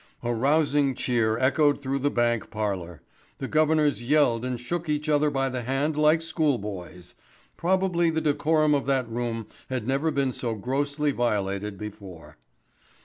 A rousing cheer echoed through the bank parlour. The governors yelled and shook each other by the hand like school boys. Probably the decorum of that room had never been so grossly violated before.